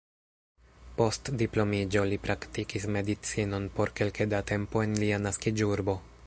Post diplomiĝo li praktikis medicinon por kelke da tempo en lia naskiĝurbo.